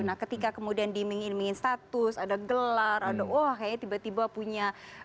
nah ketika kemudian dimingin mingin status ada gelar ada wah kayaknya tiba tiba punya